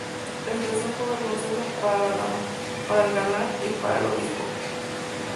La situación fue vergonzosa para la dama, para el galán y para el obispo.